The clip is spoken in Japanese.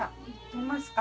寝ますか？